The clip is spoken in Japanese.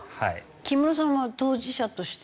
木村さんは当事者としてどうですか？